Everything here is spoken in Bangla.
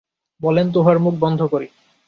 বলেন তো উহার মুখ বন্ধ করি।